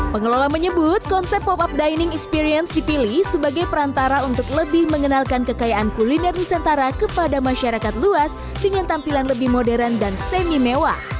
pengelola menyebut konsep pop up dining experience dipilih sebagai perantara untuk lebih mengenalkan kekayaan kuliner nusantara kepada masyarakat luas dengan tampilan lebih modern dan semi mewah